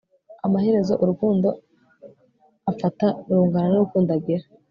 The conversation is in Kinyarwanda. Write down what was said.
amaherezo, urukundo ufata rungana n'urukundo ugira